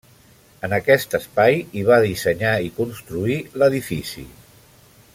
En aquest espai hi va dissenyar i construir l'edifici.